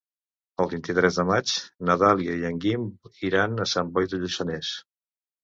El vint-i-tres de maig na Dàlia i en Guim iran a Sant Boi de Lluçanès.